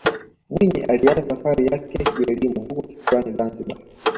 mwinyi alianza safari yake kielimu huko kisiwani zanzibar